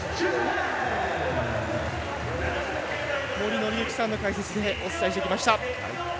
森紀之さんの解説でお伝えしてまいりました。